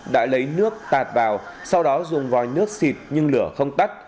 đã lấy nước tạt vào sau đó dùng vòi nước xịt nhưng lửa không tắt